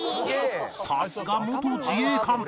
さすが元自衛官